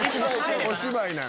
お芝居なら。